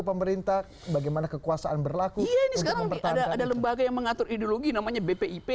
pemerintah bagaimana kekuasaan berlaku ini sekarang ada lembaga yang mengatur ideologi namanya bp ip